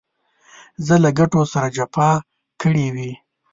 زه له ګټو سره جفا کړې وي.